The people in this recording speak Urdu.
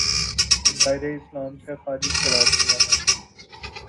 اور دائرۂ اسلام سے خارج قرار دیا ہے